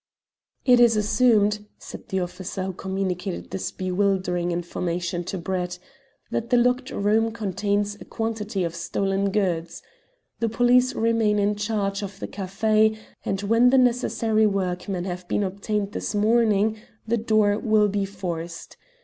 "It is assumed," said the officer who communicated this bewildering information to Brett, "that the locked room contains a quantity of stolen goods. The police remain in charge of the café, and when the necessary workmen have been obtained this morning the door will be forced.